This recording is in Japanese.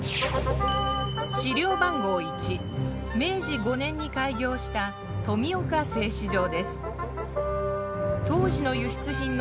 資料番号１明治５年に開業した富岡製糸場です。